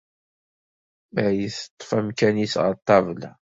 Mari teṭṭef amkan-is ɣer ṭṭabla.